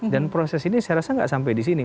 dan proses ini saya rasa tidak sampai di sini